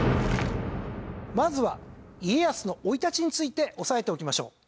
まずは家康の生い立ちについて押さえておきましょう。